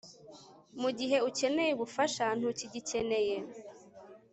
Mugihe ukeneye ubufasha Ntukigikeneye